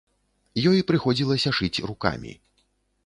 Ёй прыходзілася шыць рукамі.